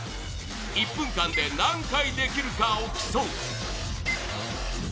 １分間で何回できるかを競う。